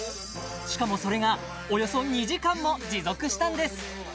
しかもそれがおよそ２時間も持続したんです